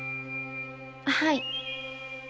はい。